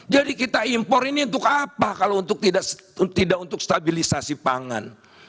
jadi kita impor ini untuk apa kalau tidak untuk stabilisasi pangan